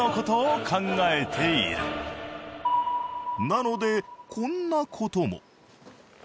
なのでこんな事も。